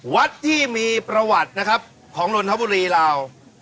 วัดที่มีประวัตินะครับของนนทบุรีลาว